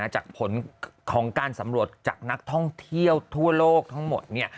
จากผลของการสำรวจจากนักท่องเที่ยวทั่วโลกทั้งหมด